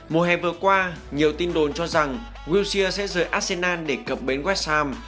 mùa hè vừa qua nhiều tin đồn cho rằng wilshere sẽ rời arsenal để cập bến west ham